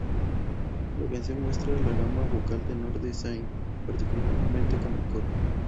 La canción muestra la gama vocal tenor de Zayn, particularmente con el coro.